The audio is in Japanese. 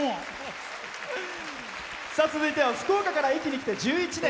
続いては福岡から壱岐に来て１１年。